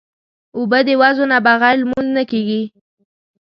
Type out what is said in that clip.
اوبه د وضو نه بغیر لمونځ نه کېږي.